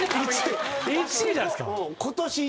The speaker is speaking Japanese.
１位じゃないっすか？